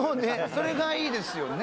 それがいいですよね！